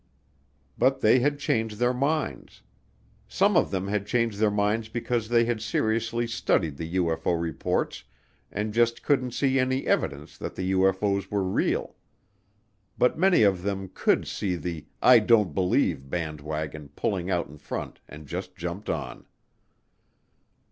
But they had changed their minds. Some of them had changed their minds because they had seriously studied the UFO reports and just couldn't see any evidence that the UFO's were real. But many of them could see the "I don't believe" band wagon pulling out in front and just jumped on.